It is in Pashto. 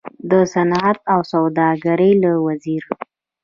د صنعت او سوداګرۍ له وزیر